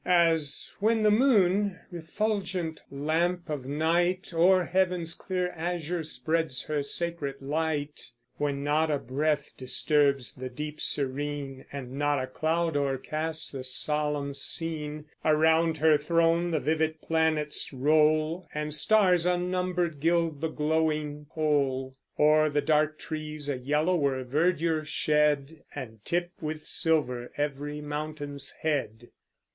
As when the moon, refulgent lamp of night, O'er Heaven's clear azure spreads her sacred light, When not a breath disturbs the deep serene, And not a cloud o'ercasts the solemn scene; Around her throne the vivid planets roll, And stars unnumbered gild the glowing pole, O'er the dark trees a yellower verdure shed, And tip with silver every mountain's head.